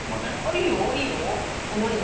いいよ、いいよ。